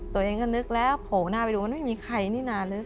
ตัวเองก็นึกแล้วโผล่หน้าไปดูมันไม่มีใครนี่นานลึก